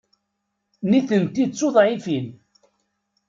Nitenti d tuḍɛifin.